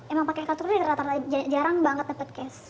emang pakai kartu deh jarang banget dapat cash